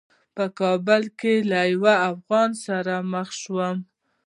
په کابل کې له یوه افغان سره مخ شوم.